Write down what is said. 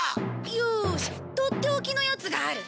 よーしとっておきのやつがある。